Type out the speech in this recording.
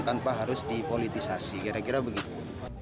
tanpa harus dipolitisasi kira kira begitu